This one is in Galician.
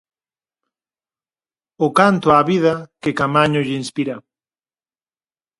O "canto á vida" que Caamaño lle inspira.